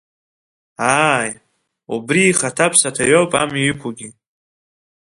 Ааи, убри ихаҭаԥсаҭа иоуп амҩа иқәугьы!